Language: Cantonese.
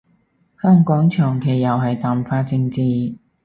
香港長期又係淡化政治